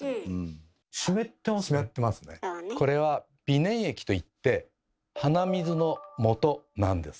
これは鼻粘液といって鼻水のもとなんです。